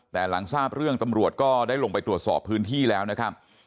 แต่หลังทราบเรื่องตำรวจก็ได้ลงไปตรวจสอบพื้นที่แล้วนะครับ